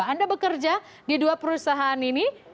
anda bekerja di dua perusahaan ini